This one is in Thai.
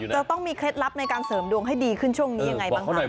จะต้องมีเคล็ดลับในการเสริมดวงให้ดีขึ้นช่วงนี้ยังไงบ้างคะ